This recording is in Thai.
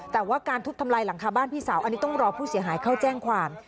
แต่ว่าการทุบทำลายหลังคาบ้านพี่สาวอันนี้ต้องรอผู้เสียหายเข้าแจ้งความ